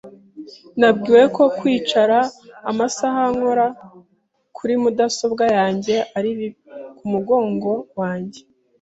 Nabwiwe ko kwicara amasaha nkora kuri mudasobwa yanjye ari bibi ku mugongo wanjye .